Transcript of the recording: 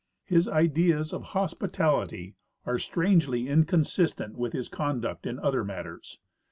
His ideas of hospitality are strangely incon sistent with his conduct in other matters.